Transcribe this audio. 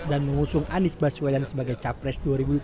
dan mengusung anies baswedan sebagai capres dua ribu dua puluh empat